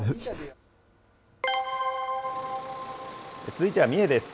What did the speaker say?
続いては三重です。